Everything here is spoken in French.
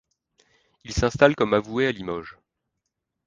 Il s'installe comme avoué à Limoges.